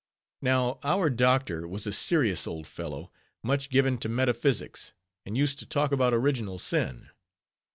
Now, our doctor was a serious old fellow, much given to metaphysics, and used to talk about original sin.